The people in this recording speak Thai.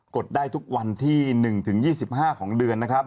กดได้ทุกวันที่๑๒๕ของเดือน